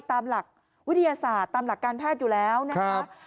ตามหลักวิทยาศาสตร์ตามหลักการแพทย์อยู่แล้วนะคะ